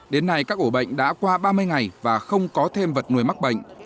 đến nay các ổ bệnh đã qua ba mươi ngày và không có thêm vật nuôi mắc bệnh